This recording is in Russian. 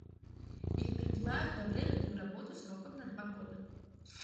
Их принимают на временную работу сроком на два года.